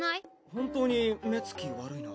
本当に目つき悪いな。